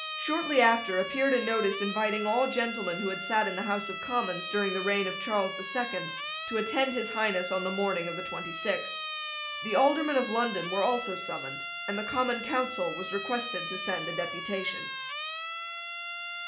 Shortly after appeared a notice inviting all gentlemen who had sate in the House of Commons during the reign of Charles the Second to attend His Highness on the morning of the twenty sixth. The Aldermen of London were also summoned; and the Common Council was requested to send a deputation.